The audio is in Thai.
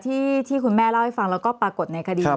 ที่คุณแม่เล่าให้ฟังแล้วก็ปรากฏในคดี